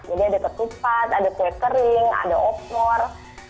jadi ada ketupat ada kue kering ada oklor